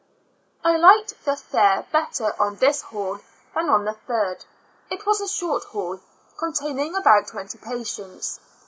I liked the fare better on this hall than on the third; it was a short hall, containing about twenty patients.